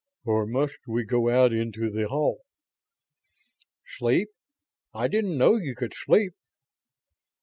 "Or must we go out into the hall?" "Sleep? I didn't know you could sleep."